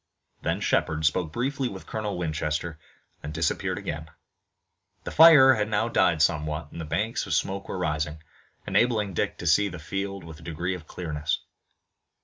Then Shepard spoke briefly with Colonel Winchester, and disappeared again. The fire had now died somewhat and the banks of smoke were rising, enabling Dick to see the field with a degree of clearness.